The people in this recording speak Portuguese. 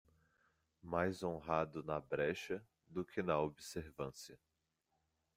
Mais honrado na brecha do que na observância